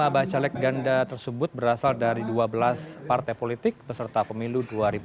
dua puluh lima bacalek ganda tersebut berasal dari dua belas partai politik beserta pemilu dua ribu dua puluh empat